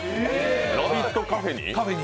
ラヴィットカフェに？